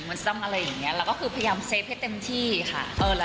มันต้องอะไรอย่างนี้เราก็คือพยายามเซฟให้เต็มที่ค่ะ